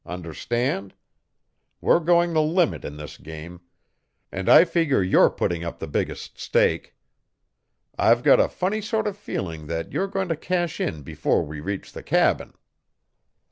Understand? We're going the limit in this game. And I figure you're putting up the biggest stake. I've got a funny sort of feeling that you're going to cash in before we reach the cabin."